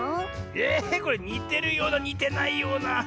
えこれにてるようなにてないような。